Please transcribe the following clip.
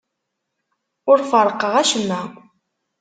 Ur ferrqeɣ acemma.